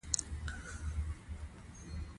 زغال د افغان ښځو په ژوند کې رول لري.